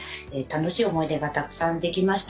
楽しい思い出がたくさんできました。